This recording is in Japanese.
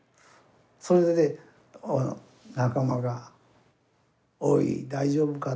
それで仲間が「おい大丈夫か？